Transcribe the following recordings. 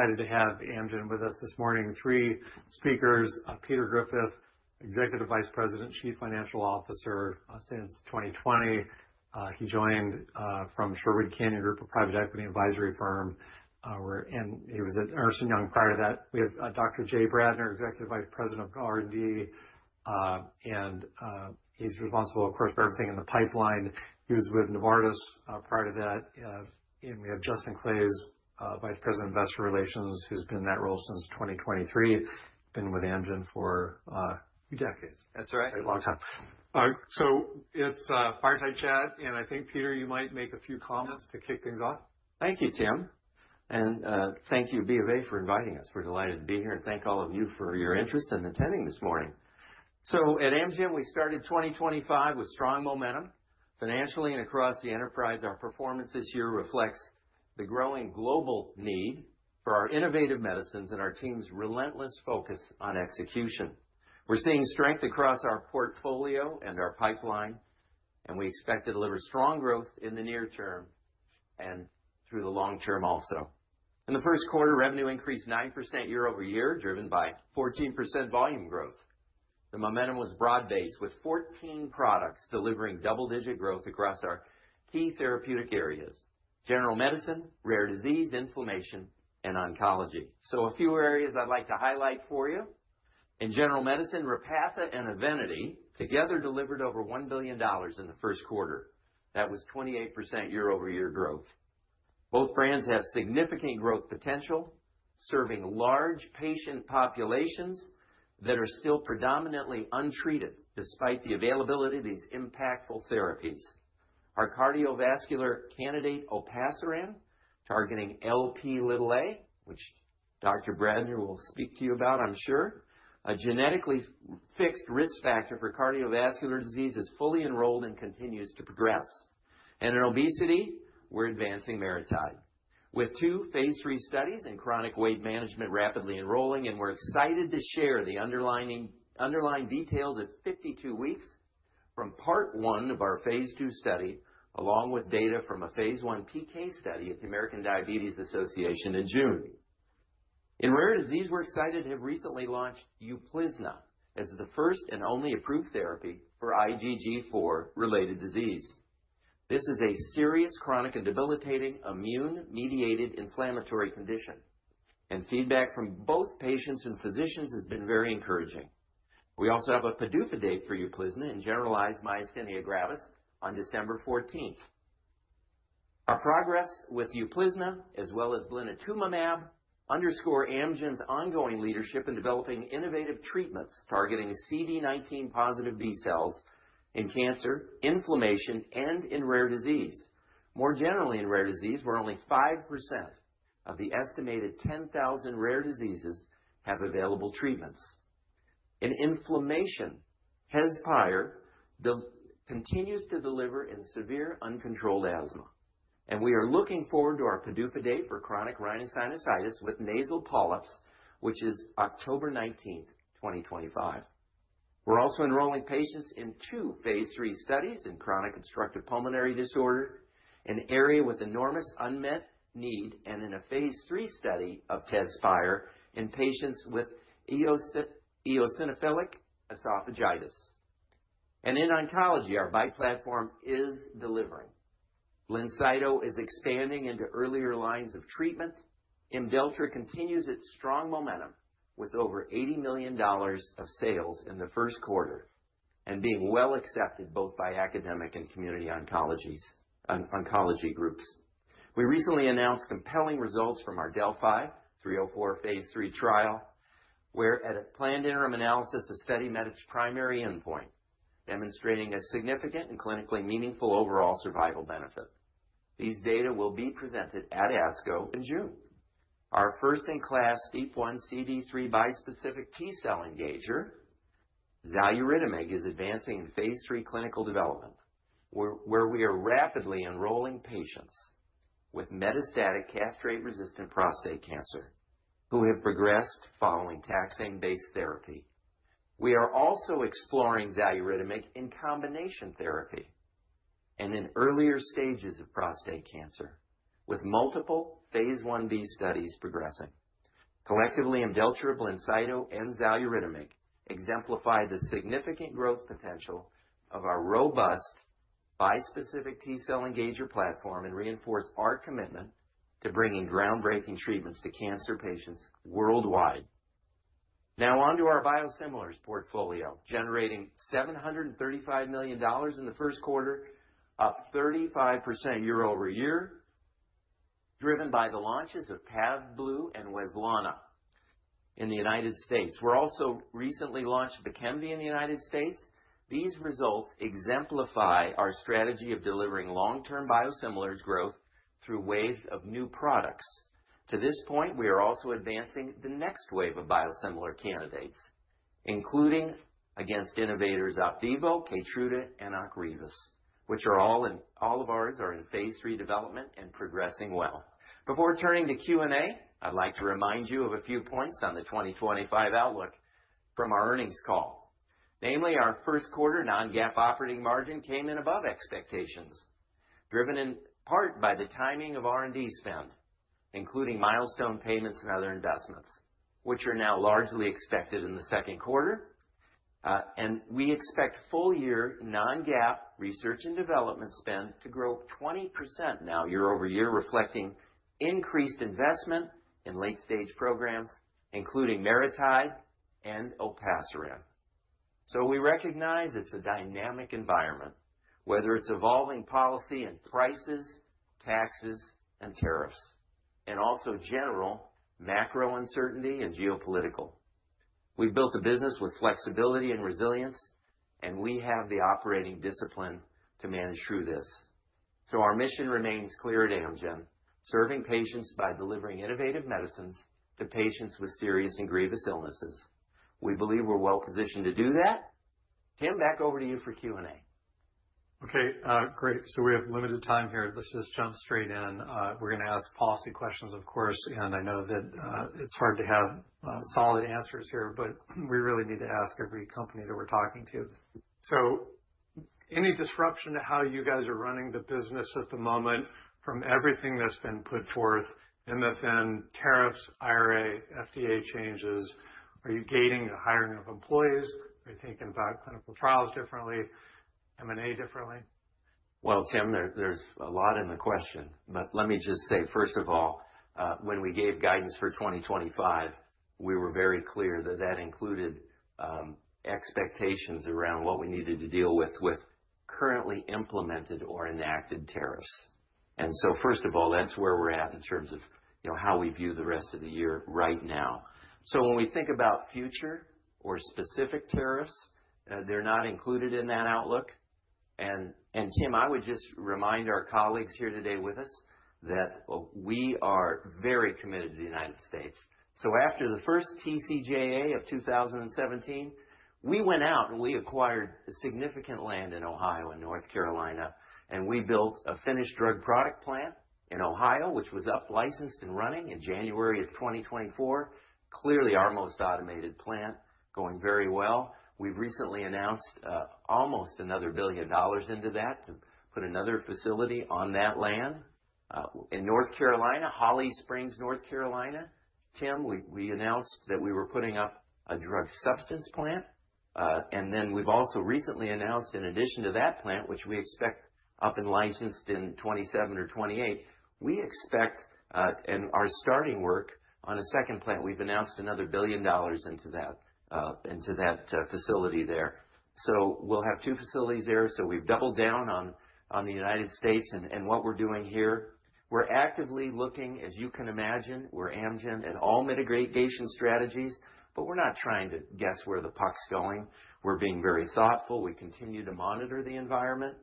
Excited to have Amgen with us this morning. Three speakers: Peter Griffith, Executive Vice President, Chief Financial Officer since 2020. He joined from Sherwood Canyon Group, a private equity advisory firm. He was at Ernst & Young prior to that. We have Dr. Jay Bradner, Executive Vice President of R&D. He is responsible, of course, for everything in the pipeline. He was with Novartis prior to that. We have Justin Claeys, Vice President of Investor Relations, who has been in that role since 2023. Been with Amgen for a few decades. That's right. A long time. It's a fire side chat. I think, Peter, you might make a few comments to kick things off. Thank you, Tim. Thank you, B of A, for inviting us. We're delighted to be here. Thank all of you for your interest in attending this morning. At Amgen, we started 2025 with strong momentum financially and across the enterprise. Our performance this year reflects the growing global need for our innovative medicines and our team's relentless focus on execution. We're seeing strength across our portfolio and our pipeline. We expect to deliver strong growth in the near term and through the long-term also. In the first quarter, revenue increased 9% year-over-year, driven by 14% volume growth. The momentum was broad-based, with 14 products delivering double-digit growth across our key therapeutic areas: general medicine, rare disease, inflammation, and oncology. A few areas I'd like to highlight for you. In general medicine, Repatha and Evenity together delivered over $1 billion in the first quarter. That was 28% year-over-year growth. Both brands have significant growth potential, serving large patient populations that are still predominantly untreated despite the availability of these impactful therapies. Our cardiovascular candidate, Olpasiran, targeting Lp(a), which Dr. Bradner will speak to you about, I'm sure. A genetically fixed risk factor for cardiovascular disease is fully enrolled and continues to progress. In obesity, we're advancing MariTide, with two phase III studies in chronic weight management rapidly enrolling, and we're excited to share the underlying details at 52 weeks from part 1 of our phase II study, along with data from a phase I PK study at the American Diabetes Association in June. In rare disease, we're excited to have recently launched UPLIZNA as the first and only approved therapy for IgG4-RD. This is a serious, chronic, and debilitating immune-mediated inflammatory condition. Feedback from both patients and physicians has been very encouraging. We also have a PDUFA date for UPLIZNA in generalized myasthenia gravis on December 14. Our progress with UPLIZNA, as well as Glenitumamab, underscores Amgen's ongoing leadership in developing innovative treatments targeting CD19-positive B cells in cancer, inflammation, and in rare disease. More generally, in rare disease, where only 5% of the estimated 10,000 rare diseases have available treatments. In inflammation, TEZSPIRE continues to deliver in severe uncontrolled asthma. We are looking forward to our PDUFA date for chronic rhinosinusitis with nasal polyps, which is October 19, 2025. We're also enrolling patients in two phase three studies in chronic obstructive pulmonary disease, an area with enormous unmet need, and in a phase III study of TEZSPIRE in patients with eosinophilic esophagitis. In oncology, our BiTE platform is delivering. [Lenkicta] is expanding into earlier lines of treatment. Imdelltra continues its strong momentum with over $80 million of sales in the first quarter and being well accepted both by academic and community oncology groups. We recently announced compelling results from our DeLPhi-304 phase III trial, where at a planned interim analysis, the study met its primary endpoint, demonstrating a significant and clinically meaningful overall survival benefit. These data will be presented at ASCO in June. Our first-in-class [STEEP 1 ]CD3 bispecific T cell engager, Xaluritamig, is advancing in phase III clinical development, where we are rapidly enrolling patients with metastatic castrate-resistant prostate cancer who have progressed following taxane-based therapy. We are also exploring Xaluritamig in combination therapy and in earlier stages of prostate cancer, with multiple phase Ib studies progressing. Collectively, Imdelltra, [Lenkicta], and Xaluritamig exemplify the significant growth potential of our robust bispecific T-cell engager platform and reinforce our commitment to bringing groundbreaking treatments to cancer patients worldwide. Now on to our biosimilars portfolio, generating $735 million in the first quarter, up 35% year-over-year, driven by the launches of Pavblu and Wezlana in the United States. We also recently launched [VEKLURY] in the United States. These results exemplify our strategy of delivering long-term biosimilars growth through waves of new products. To this point, we are also advancing the next wave of biosimilar candidates, including against innovators Opdivo, Keytruda, and Ocrevus, which are all of ours are in phase III development and progressing well. Before turning to Q&A, I'd like to remind you of a few points on the 2025 outlook from our earnings call. Namely, our first quarter non-GAAP operating margin came in above expectations, driven in part by the timing of R&D spend, including milestone payments and other investments, which are now largely expected in the second quarter. We expect full-year non-GAAP research and development spend to grow 20% now year-over-year, reflecting increased investment in late-stage programs, including MariTide and Olpasiran. We recognize it's a dynamic environment, whether it's evolving policy and prices, taxes, and tariffs, and also general macro uncertainty and geopolitical. We've built a business with flexibility and resilience, and we have the operating discipline to manage through this. Our mission remains clear at Amgen, serving patients by delivering innovative medicines to patients with serious and grievous illnesses. We believe we're well positioned to do that. Tim, back over to you for Q&A. Okay. Great. We have limited time here. Let's just jump straight in. We're going to ask policy questions, of course. I know that it's hard to have solid answers here, but we really need to ask every company that we're talking to. Any disruption to how you guys are running the business at the moment from everything that's been put forth, MFN, tariffs, IRA, FDA changes? Are you gating the hiring of employees? Are you thinking about clinical trials differently, M&A differently? Tim, there's a lot in the question. Let me just say, first of all, when we gave guidance for 2025, we were very clear that that included expectations around what we needed to deal with with currently implemented or enacted tariffs. First of all, that's where we're at in terms of how we view the rest of the year right now. When we think about future or specific tariffs, they're not included in that outlook. Tim, I would just remind our colleagues here today with us that we are very committed to the United States. After the first TCJA of 2017, we went out and we acquired significant land in Ohio and North Carolina. We built a finished drug product plant in Ohio, which was up, licensed, and running in January of 2024. Clearly, our most automated plant going very well. We've recently announced almost another $1 billion into that to put another facility on that land in Holly Springs, North Carolina. Tim, we announced that we were putting up a drug substance plant. We have also recently announced, in addition to that plant, which we expect up and licensed in 2027 or 2028, we expect and are starting work on a second plant. We've announced another $1 billion into that facility there. We will have two facilities there. We have doubled down on the United States and what we're doing here. We're actively looking, as you can imagine, we're Amgen and all mitigation strategies, but we're not trying to guess where the puck's going. We're being very thoughtful. We continue to monitor the environment.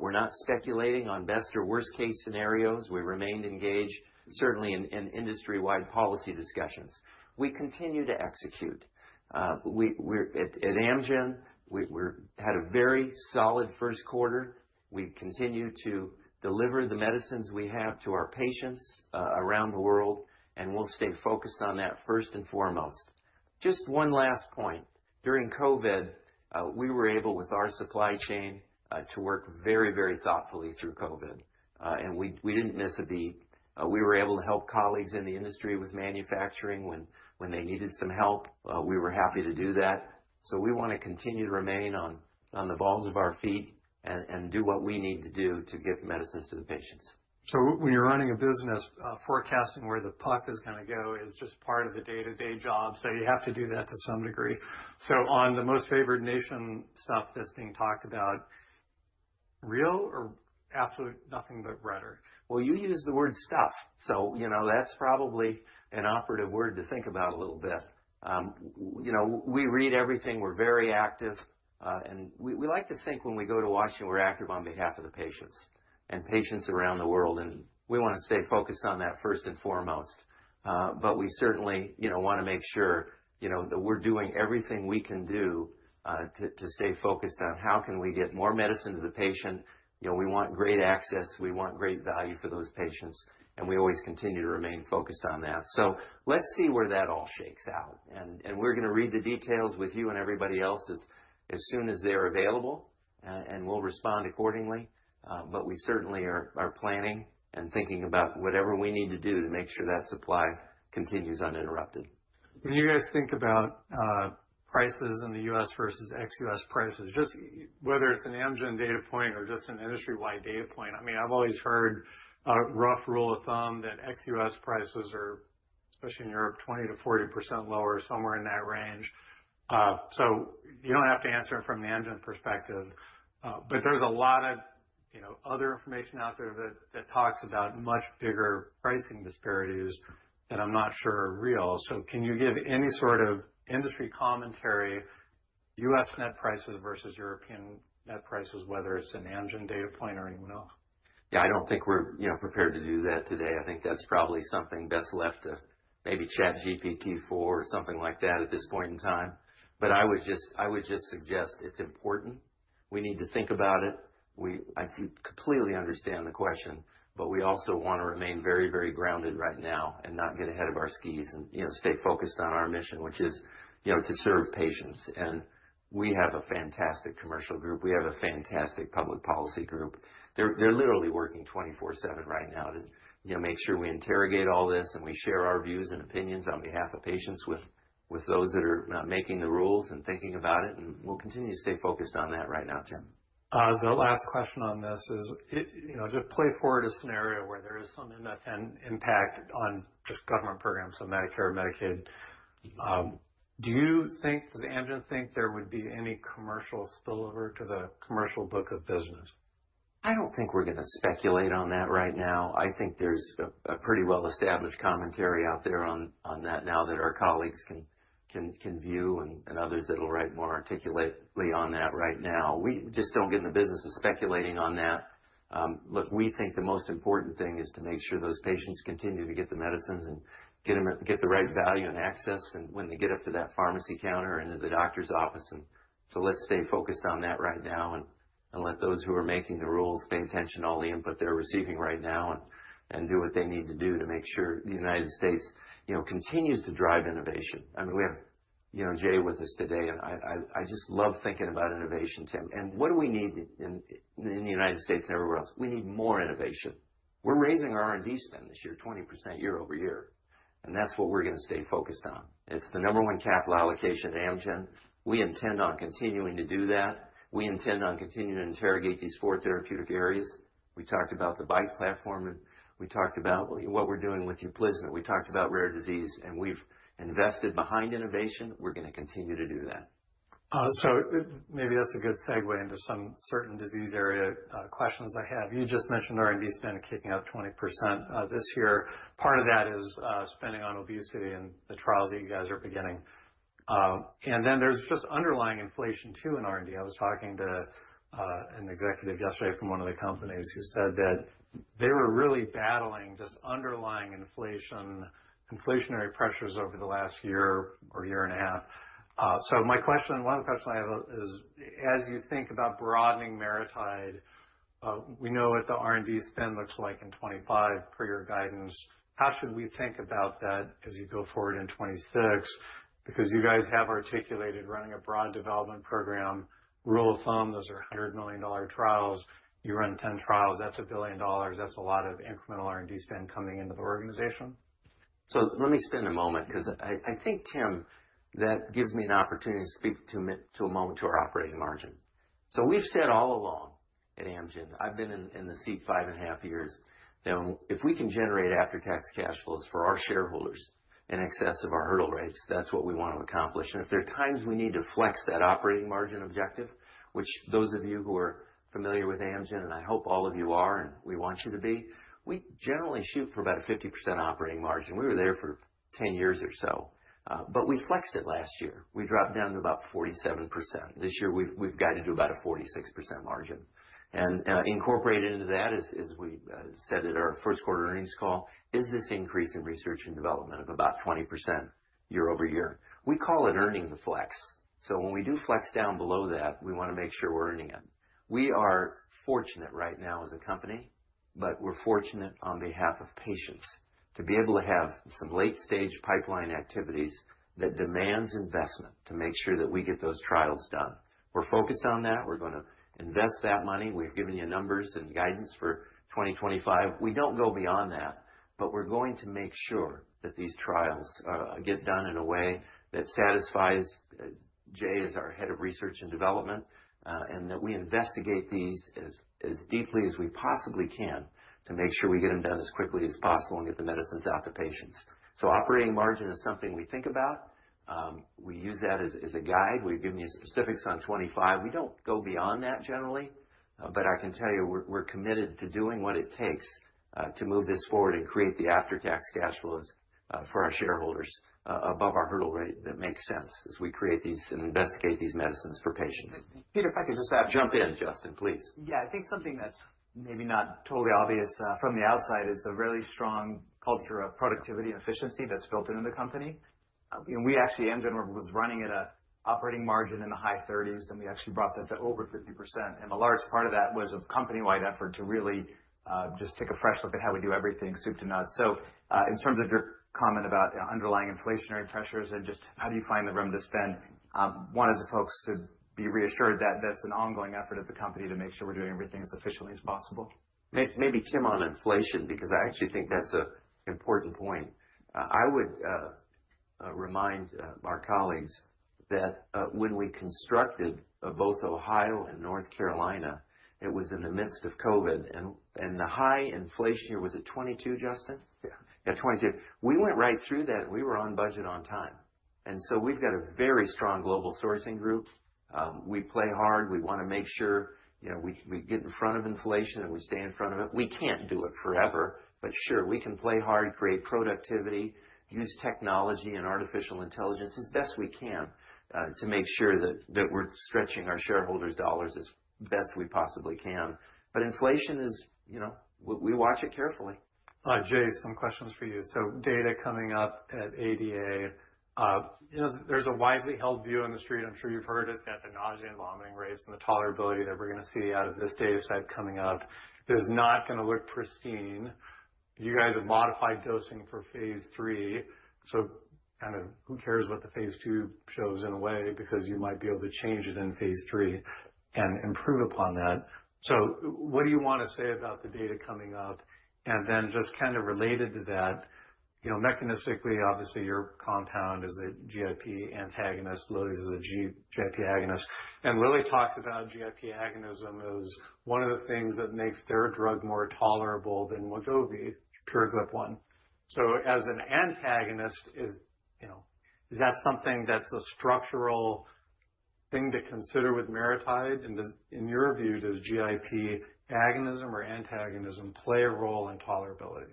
We're not speculating on best or worst-case scenarios. We remained engaged, certainly, in industry-wide policy discussions. We continue to execute. At Amgen, we had a very solid first quarter. We continue to deliver the medicines we have to our patients around the world. We will stay focused on that first and foremost. Just one last point. During COVID, we were able, with our supply chain, to work very, very thoughtfully through COVID. We did not miss a beat. We were able to help colleagues in the industry with manufacturing when they needed some help. We were happy to do that. We want to continue to remain on the balls of our feet and do what we need to do to get the medicines to the patients. When you're running a business, forecasting where the puck is going to go is just part of the day-to-day job. You have to do that to some degree. On the most favored nation stuff that's being talked about, real or absolute nothing but rudder? You use the word stuff. That is probably an operative word to think about a little bit. We read everything. We are very active. We like to think when we go to Washington, we are active on behalf of the patients and patients around the world. We want to stay focused on that first and foremost. We certainly want to make sure that we are doing everything we can do to stay focused on how we can get more medicine to the patient. We want great access. We want great value for those patients. We always continue to remain focused on that. Let us see where that all shakes out. We are going to read the details with you and everybody else as soon as they are available. We will respond accordingly. We certainly are planning and thinking about whatever we need to do to make sure that supply continues uninterrupted. When you guys think about prices in the U.S. versus ex-U.S. prices, just whether it's an Amgen data point or just an industry-wide data point, I mean, I've always heard a rough rule of thumb that ex-U.S. prices are, especially in Europe, 20%-40% lower, somewhere in that range. You don't have to answer it from the Amgen perspective. There is a lot of other information out there that talks about much bigger pricing disparities that I'm not sure are real. Can you give any sort of industry commentary U.S. net prices versus European net prices, whether it's an Amgen data point or anyone else? Yeah, I do not think we are prepared to do that today. I think that is probably something best left to maybe ChatGPT-4 or something like that at this point in time. I would just suggest it is important. We need to think about it. I completely understand the question, but we also want to remain very, very grounded right now and not get ahead of our skis and stay focused on our mission, which is to serve patients. We have a fantastic commercial group. We have a fantastic public policy group. They are literally working 24/7 right now to make sure we interrogate all this and we share our views and opinions on behalf of patients with those that are making the rules and thinking about it. We will continue to stay focused on that right now, Tim. The last question on this is to play forward a scenario where there is some impact on just government programs of Medicare and Medicaid. Do you think, does Amgen think there would be any commercial spillover to the commercial book of business? I don't think we're going to speculate on that right now. I think there's a pretty well-established commentary out there on that now that our colleagues can view and others that will write more articulately on that right now. We just don't get in the business of speculating on that. Look, we think the most important thing is to make sure those patients continue to get the medicines and get the right value and access when they get up to that pharmacy counter or into the doctor's office. Let's stay focused on that right now and let those who are making the rules pay attention to all the input they're receiving right now and do what they need to do to make sure the United States continues to drive innovation. I mean, we have Jay with us today. I just love thinking about innovation, Tim. What do we need in the United States and everywhere else? We need more innovation. We're raising our R&D spend this year, 20% year-over-year. That's what we're going to stay focused on. It's the number one capital allocation to Amgen. We intend on continuing to do that. We intend on continuing to interrogate these four therapeutic areas. We talked about the BiTE platform, and we talked about what we're doing with UPLIZNA. We talked about rare disease. We've invested behind innovation. We're going to continue to do that. Maybe that's a good segue into some certain disease area questions I have. You just mentioned R&D spend kicking up 20% this year. Part of that is spending on obesity and the trials that you guys are beginning. Then there's just underlying inflation too in R&D. I was talking to an executive yesterday from one of the companies who said that they were really battling just underlying inflationary pressures over the last year or year and a half. My question, one of the questions I have is, as you think about broadening MariTide, we know what the R&D spend looks like in 2025 per your guidance. How should we think about that as you go forward in 2026? Because you guys have articulated running a broad development program, rule of thumb, those are $100 million trials. You run 10 trials. That's $1 billion. That's a lot of incremental R&D spend coming into the organization. Let me spend a moment because I think, Tim, that gives me an opportunity to speak to a moment to our operating margin. We've said all along at Amgen, I've been in the seat five and a half years, that if we can generate after-tax cash flows for our shareholders in excess of our hurdle rates, that's what we want to accomplish. If there are times we need to flex that operating margin objective, which those of you who are familiar with Amgen, and I hope all of you are, and we want you to be, we generally shoot for about a 50% operating margin. We were there for 10 years or so. We flexed it last year. We dropped down to about 47%. This year, we've guided to about a 46% margin. Incorporated into that, as we said at our first quarter earnings call, is this increase in research and development of about 20% year-over-year. We call it earning the flex. When we do flex down below that, we want to make sure we're earning it. We are fortunate right now as a company, but we're fortunate on behalf of patients to be able to have some late-stage pipeline activities that demands investment to make sure that we get those trials done. We're focused on that. We're going to invest that money. We've given you numbers and guidance for 2025. We do not go beyond that, but we are going to make sure that these trials get done in a way that satisfies Jay as our head of research and development and that we investigate these as deeply as we possibly can to make sure we get them done as quickly as possible and get the medicines out to patients. Operating margin is something we think about. We use that as a guide. We have given you specifics on 2025. We do not go beyond that generally. I can tell you we are committed to doing what it takes to move this forward and create the after-tax cash flows for our shareholders above our hurdle rate that makes sense as we create these and investigate these medicines for patients. Peter, if I could just ask. Jump in, Justin, please. Yeah. I think something that's maybe not totally obvious from the outside is the really strong culture of productivity and efficiency that's built into the company. Amgen was running at an operating margin in the high 30s, and we actually brought that to over 50%. A large part of that was a company-wide effort to really just take a fresh look at how we do everything soup to nuts. In terms of your comment about underlying inflationary pressures and just how do you find the room to spend, I wanted the folks to be reassured that that's an ongoing effort at the company to make sure we're doing everything as efficiently as possible. Maybe Tim on inflation, because I actually think that's an important point. I would remind our colleagues that when we constructed both Ohio and North Carolina, it was in the midst of COVID. And the high inflation year was at 22, Justin? Yeah. Yeah, 2022. We went right through that. We were on budget, on time. We have a very strong global sourcing group. We play hard. We want to make sure we get in front of inflation and we stay in front of it. We cannot do it forever. Sure, we can play hard, create productivity, use technology and artificial intelligence as best we can to make sure that we are stretching our shareholders' dollars as best we possibly can. Inflation is, we watch it carefully. Jay, some questions for you. Data coming up at ADA. There's a widely held view in the street. I'm sure you've heard it that the nausea and vomiting rates and the tolerability that we're going to see out of this data set coming up, there's not going to look pristine. You guys have modified dosing for phase III. Kind of who cares what the phase II shows in a way because you might be able to change it in phase III and improve upon that. What do you want to say about the data coming up? Just kind of related to that, mechanistically, obviously, your compound is a GIP antagonist. Lilly's is a GIP agonist. Lilly talked about GIP agonism as one of the things that makes their drug more tolerable than Wegovy, PureGrip One. As an antagonist, is that something that's a structural thing to consider with MariTide? In your view, does GIP agonism or antagonism play a role in tolerability?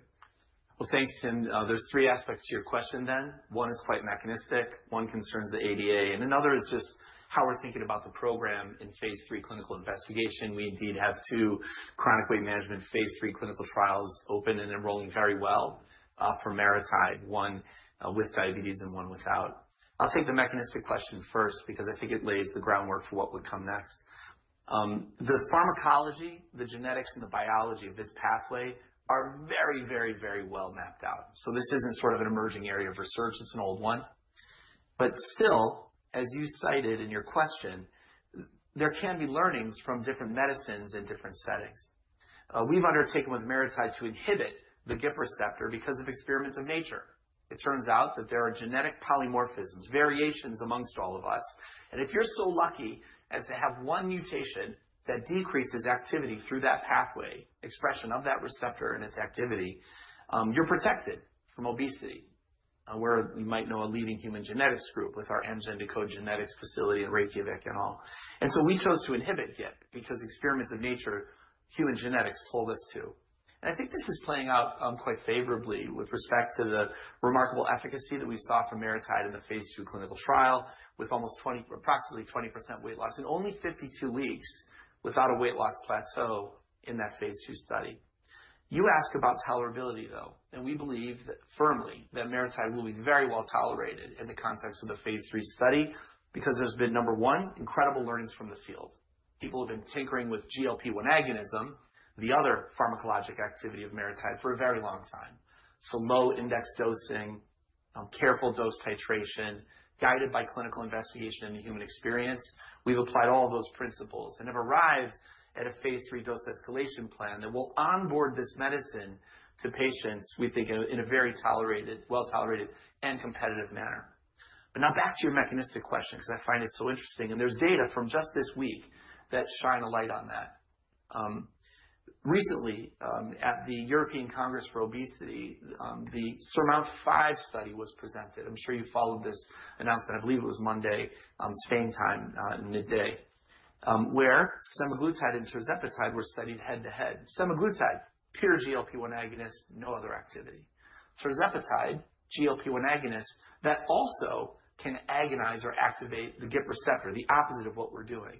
Thanks, Tim. There are three aspects to your question then. One is quite mechanistic. One concerns the ADA. Another is just how we're thinking about the program in phase III clinical investigation. We indeed have two chronic weight management phase III clinical trials open and enrolling very well for MariTide, one with diabetes and one without. I'll take the mechanistic question first because I think it lays the groundwork for what would come next. The pharmacology, the genetics, and the biology of this pathway are very, very, very well mapped out. This isn't sort of an emerging area of research. It's an old one. Still, as you cited in your question, there can be learnings from different medicines in different settings. We've undertaken with MariTide to inhibit the GIP receptor because of experiments of nature. It turns out that there are genetic polymorphisms, variations amongst all of us. If you're so lucky as to have one mutation that decreases activity through that pathway, expression of that receptor and its activity, you're protected from obesity, where you might know a leading human genetics group with our Amgen Decode Genetics facility in Reykjavik and all. We chose to inhibit GIP because experiments of nature, human genetics pulled us to. I think this is playing out quite favorably with respect to the remarkable efficacy that we saw from MariTide in the phase II clinical trial with almost approximately 20% weight loss in only 52 weeks without a weight loss plateau in that phase II study. You ask about tolerability, though. We believe firmly that MariTide will be very well tolerated in the context of the phase III study because there's been, number one, incredible learnings from the field. People have been tinkering with GLP-1 agonism, the other pharmacologic activity of MariTide, for a very long time. Low index dosing, careful dose titration, guided by clinical investigation and the human experience. We've applied all of those principles and have arrived at a phase III dose escalation plan that will onboard this medicine to patients, we think, in a very well-tolerated and competitive manner. Now back to your mechanistic question because I find it so interesting. There is data from just this week that shine a light on that. Recently, at the European Congress for Obesity, the SURMOUNT-5 study was presented. I'm sure you followed this announcement. I believe it was Monday, Spain time, midday, where semaglutide and tirzepatide were studied head-to-head. Semaglutide, pure GLP-1 agonist, no other activity. Tirzepatide, GLP-1 agonist that also can agonize or activate the GIP receptor, the opposite of what we're doing.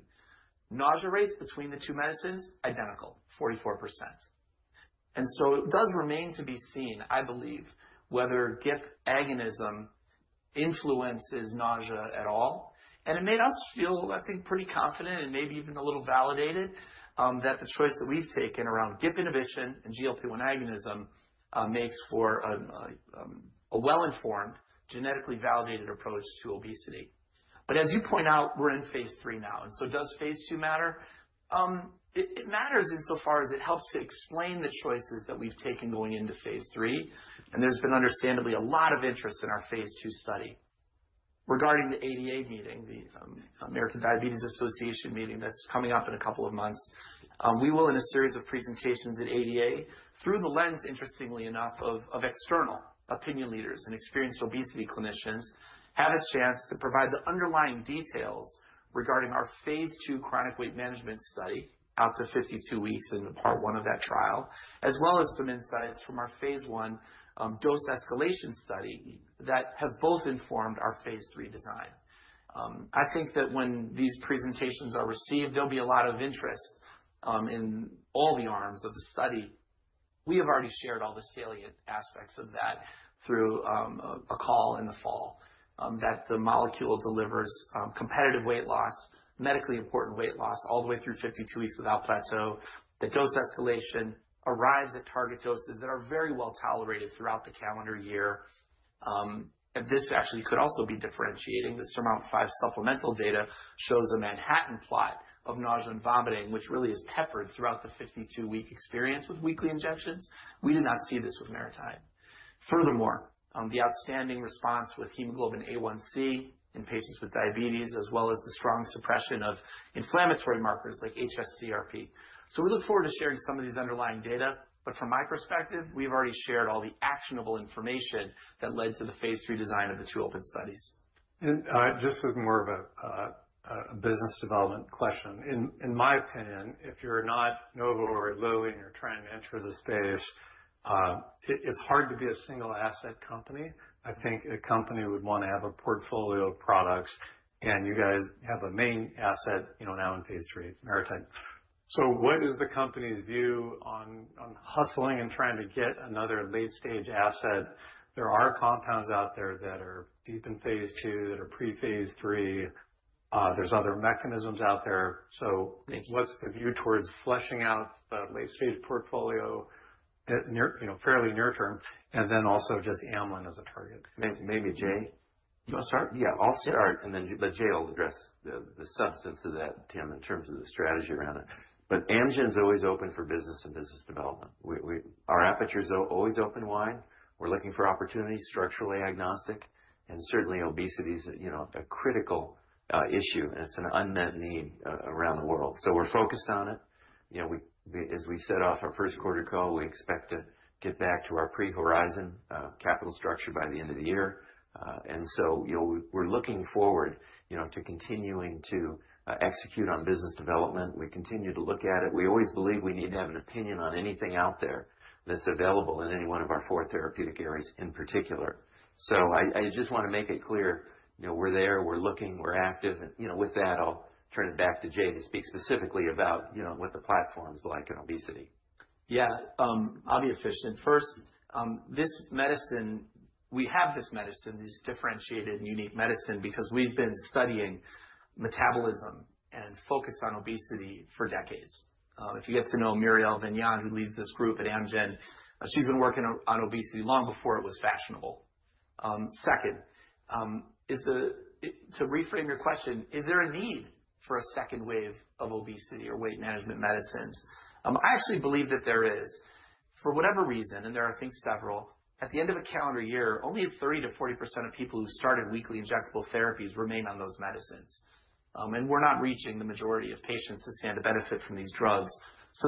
Nausea rates between the two medicines, identical, 44%. It does remain to be seen, I believe, whether GIP agonism influences nausea at all. It made us feel, I think, pretty confident and maybe even a little validated that the choice that we've taken around GIP inhibition and GLP-1 agonism makes for a well-informed, genetically validated approach to obesity. As you point out, we're in phase III now. Does phase II matter? It matters insofar as it helps to explain the choices that we've taken going into phase III. There's been understandably a lot of interest in our phase II study. Regarding the ADA meeting, the American Diabetes Association meeting that's coming up in a couple of months, we will, in a series of presentations at ADA, through the lens, interestingly enough, of external opinion leaders and experienced obesity clinicians, have a chance to provide the underlying details regarding our phase II chronic weight management study out to 52 weeks in part 1 of that trial, as well as some insights from our phase I dose escalation study that have both informed our phase III design. I think that when these presentations are received, there'll be a lot of interest in all the arms of the study. We have already shared all the salient aspects of that through a call in the fall that the molecule delivers competitive weight loss, medically important weight loss all the way through 52 weeks without plateau, that dose escalation arrives at target doses that are very well tolerated throughout the calendar year. This actually could also be differentiating. The SURMOUNT-5 supplemental data shows a Manhattan plot of nausea and vomiting, which really is peppered throughout the 52-week experience with weekly injections. We did not see this with MariTide. Furthermore, the outstanding response with hemoglobin A1C in patients with diabetes, as well as the strong suppression of inflammatory markers like hs-CRP. We look forward to sharing some of these underlying data. From my perspective, we've already shared all the actionable information that led to the phase III design of the two open studies. Just as more of a business development question, in my opinion, if you're not Novo or Lilly and you're trying to enter the space, it's hard to be a single asset company. I think a company would want to have a portfolio of products. You guys have a main asset now in phase III. It's MariTide. What is the company's view on hustling and trying to get another late-stage asset? There are compounds out there that are deep in phase II, that are pre-phase III. There are other mechanisms out there. What is the view towards fleshing out the late-stage portfolio fairly near term? Also, just Amgen as a target. Maybe Jay. You want to start? Yeah, I'll start. Jay will address the substance of that, Tim, in terms of the strategy around it. Amgen's always open for business and business development. Our apertures are always open wide. We're looking for opportunity, structurally agnostic. Certainly, obesity is a critical issue. It's an unmet need around the world. We're focused on it. As we set off our first quarter call, we expect to get back to our pre-horizon capital structure by the end of the year. We're looking forward to continuing to execute on business development. We continue to look at it. We always believe we need to have an opinion on anything out there that's available in any one of our four therapeutic areas in particular. I just want to make it clear. We're there. We're looking. We're active. With that, I'll turn it back to Jay to speak specifically about what the platform's like in obesity. Yeah. I'll be efficient. First, this medicine, we have this medicine, this differentiated and unique medicine because we've been studying metabolism and focus on obesity for decades. If you get to know Muriel Vignon, who leads this group at Amgen, she's been working on obesity long before it was fashionable. Second, to reframe your question, is there a need for a second wave of obesity or weight management medicines? I actually believe that there is. For whatever reason, and there are I think several, at the end of a calendar year, only 30%-40% of people who started weekly injectable therapies remain on those medicines. And we're not reaching the majority of patients who stand to benefit from these drugs.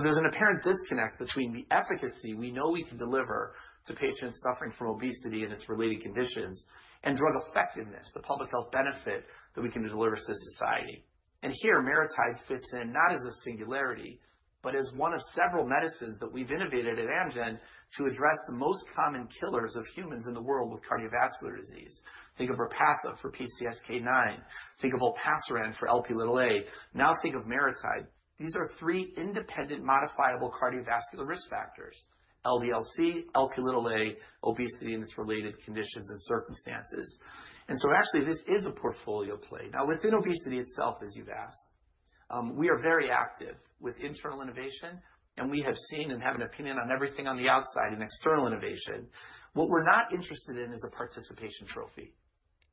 There is an apparent disconnect between the efficacy we know we can deliver to patients suffering from obesity and its related conditions and drug effectiveness, the public health benefit that we can deliver to society. Here, MariTide fits in not as a singularity, but as one of several medicines that we've innovated at Amgen to address the most common killers of humans in the world with cardiovascular disease. Think of Repatha for PCSK9. Think of Olpasiran for Lp(a). Now think of MariTide. These are three independent modifiable cardiovascular risk factors: LDL-C, Lp(a), obesity, and its related conditions and circumstances. Actually, this is a portfolio play. Within obesity itself, as you've asked, we are very active with internal innovation. We have seen and have an opinion on everything on the outside in external innovation. What we're not interested in is a participation trophy.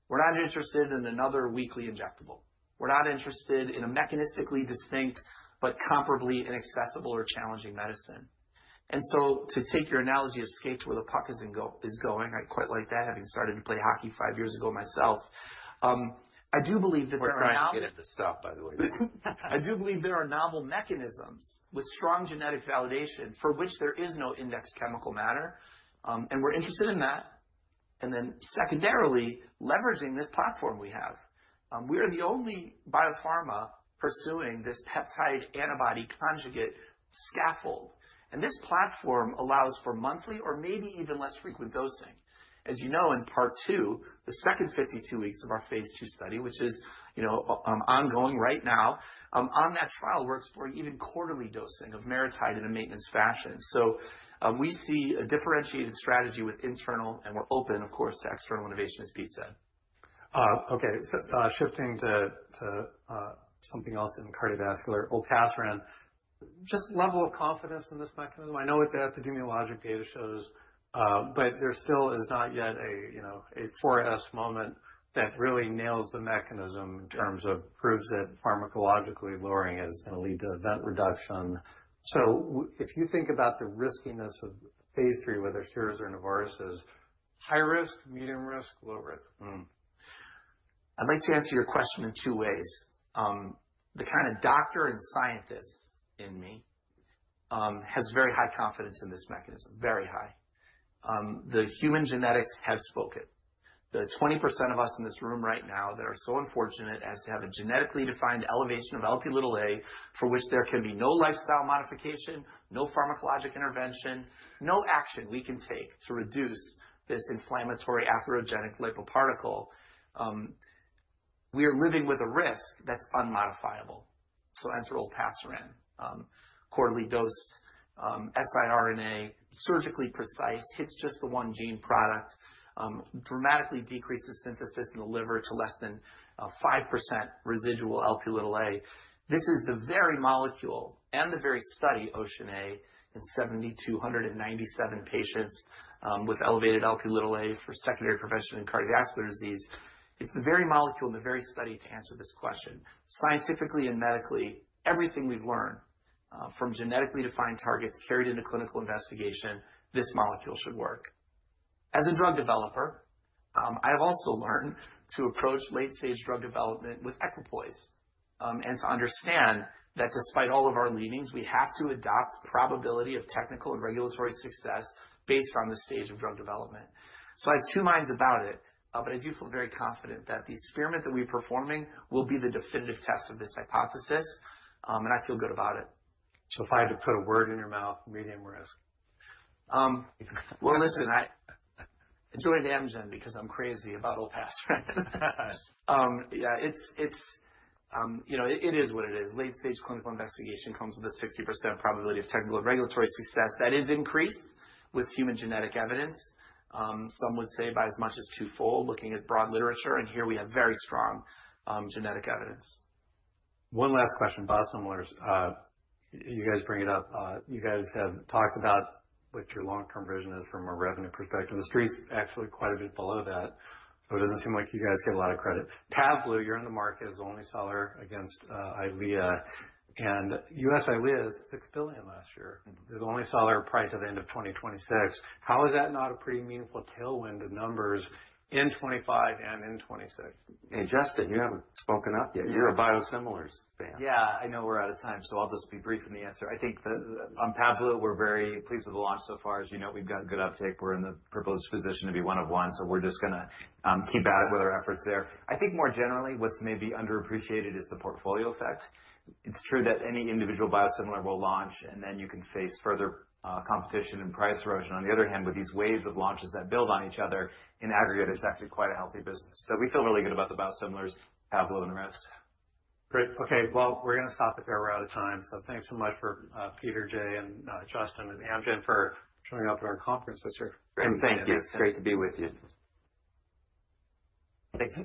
We're not interested in another weekly injectable. We're not interested in a mechanistically distinct but comparably inaccessible or challenging medicine. To take your analogy of skates where the puck is going, I quite like that, having started to play hockey five years ago myself. I do believe that there are now. We're not looking at this stuff, by the way. I do believe there are novel mechanisms with strong genetic validation for which there is no index chemical matter. We are interested in that. Secondarily, leveraging this platform we have, we are the only biopharma pursuing this peptide antibody conjugate scaffold. This platform allows for monthly or maybe even less frequent dosing. As you know, in part 2, the second 52 weeks of our phase II study, which is ongoing right now, on that trial, we are exploring even quarterly dosing of MariTide in a maintenance fashion. We see a differentiated strategy with internal, and we are open, of course, to external innovation, as Pete said. Okay. Shifting to something else in cardiovascular, Olpasiran. Just level of confidence in this mechanism. I know what the epidemiologic data shows, but there still is not yet a 4S moment that really nails the mechanism in terms of proves that pharmacologically lowering is going to lead to event reduction. If you think about the riskiness of phase III, whether SIRS or Novartis is high risk, medium risk, low risk? I'd like to answer your question in two ways. The kind of doctor and scientist in me has very high confidence in this mechanism, very high. The human genetics have spoken. The 20% of us in this room right now that are so unfortunate as to have a genetically defined elevation of Lp(a), for which there can be no lifestyle modification, no pharmacologic intervention, no action we can take to reduce this inflammatory atherogenic lipoparticle, we are living with a risk that's unmodifiable. Enter Olpasiran, quarterly dosed, siRNA, surgically precise, hits just the one gene product, dramatically decreases synthesis in the liver to less than 5% residual Lp(a). This is the very molecule and the very study, Ocean A, in 7,297 patients with elevated Lp(a), for secondary prevention in cardiovascular disease. It's the very molecule and the very study to answer this question. Scientifically and medically, everything we've learned from genetically defined targets carried into clinical investigation, this molecule should work. As a drug developer, I have also learned to approach late-stage drug development with equipoise and to understand that despite all of our leanings, we have to adopt probability of technical and regulatory success based on the stage of drug development. I have two minds about it, but I do feel very confident that the experiment that we're performing will be the definitive test of this hypothesis. I feel good about it. If I had to put a word in your mouth, medium risk. I joined Amgen because I'm crazy about Olpasiran. Yeah, it is what it is. Late-stage clinical investigation comes with a 60% probability of technical and regulatory success that is increased with human genetic evidence. Some would say by as much as twofold, looking at broad literature. And here we have very strong genetic evidence. One last question, [some more]. You guys bring it up. You guys have talked about what your long-term vision is from a revenue perspective. The street's actually quite a bit below that. It does not seem like you guys get a lot of credit. Pavblu, you're in the market as the only seller against EYLEA. And U.S. EYLEA is $6 billion last year. You're the only seller priced at the end of 2026. How is that not a pretty meaningful tailwind to numbers in 2025 and in 2026? Hey, Justin, you haven't spoken up yet. You're a biosimilars fan. Yeah, I know we're out of time, so I'll just be brief in the answer. I think on Pavblu, we're very pleased with the launch so far. As you know, we've got good uptake. We're in the privileged position to be one of one. We're just going to keep at it with our efforts there. I think more generally, what's maybe underappreciated is the portfolio effect. It's true that any individual biosimilar will launch, and then you can face further competition and price erosion. On the other hand, with these waves of launches that build on each other, in aggregate, it's actually quite a healthy business. We feel really good about the biosimilars, Pavblu, and the rest. Great. Okay. We are going to stop it there. We are out of time. Thanks so much for Peter, Jay, and Justin and Amgen for showing up at our conference this year. Thank you. It's great to be with you. Thanks.